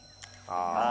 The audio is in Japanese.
ああ。